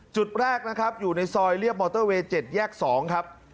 จุดแรกนะครับอยู่ในซอยเรียบมอเตอร์เวย์๗แยก๒ครับ